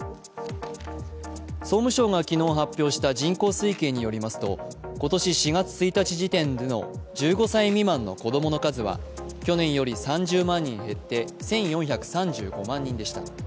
総務省が昨日発表した人口推計によりますと今年４月１日時点での１５歳未満の子供の数は去年より３０万人減って１４３５万人でした。